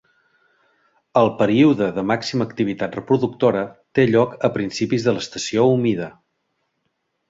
El període de màxima activitat reproductora té lloc a principis de l'estació humida.